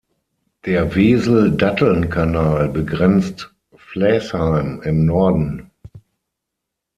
Der Wesel-Datteln-Kanal begrenzt Flaesheim im Norden.